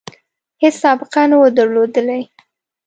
هیڅ سابقه نه وه درلودلې.